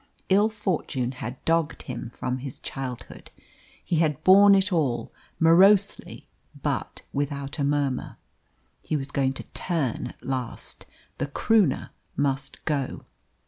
Ill fortune had dogged him from his childhood. He had borne it all, morosely but without a murmur. He was going to turn at last. The Croonah must go.